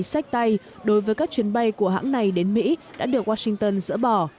những lý sách tay đối với các chuyến bay của hãng này đến mỹ đã được washington dỡ bỏ